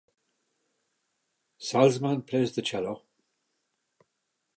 Salzman plays the cello.